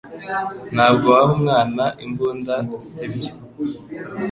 Ntabwo waha umwana imbunda, sibyo?